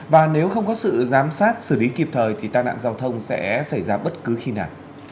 và nếu không có sự giám sát xử lý kịp thời thì tai nạn giao thông sẽ xảy ra bất cứ khi nào